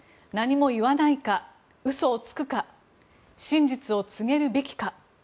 何も言わないか嘘をつくか真実を告げるべきか。